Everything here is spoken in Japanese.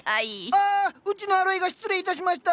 ああうちのアロエが失礼いたしました。